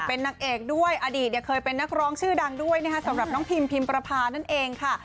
เป็นนางเอกด้วยอดีตเนี่ยเคยเป็นนักร้องชื่อดังด้วยนะคะสำหรับน้องพิมพิมประพานั่นเองค่ะ